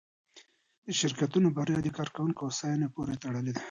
د شرکتونو بریا د کارکوونکو هوساینې پورې تړلې ده.